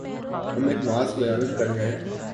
ہم ایک ماسک لگانے سے تنگ ہیں